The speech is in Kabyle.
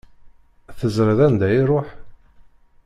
Teẓriḍ anda iruḥ?